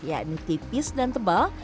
yakni tipis dan tebal